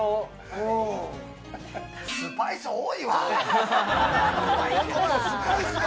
スパイス多いわ！